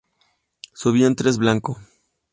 Su vientre es blanco.